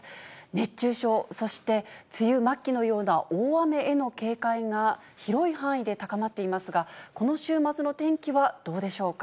熱中症、そして梅雨末期のような大雨への警戒が広い範囲で高まっていますが、この週末の天気はどうでしょうか。